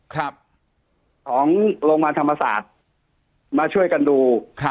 ของโรงพยาบาลธรรมศาสตร์มาช่วยกันดู